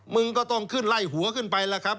มึงก็ต้องขึ้นไล่หัวขึ้นไปแล้วครับ